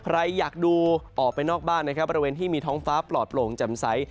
ใครอยากดูออกไปนอกบ้านนะครับบริเวณที่มีท้องฟ้าปลอดโปร่งจำใส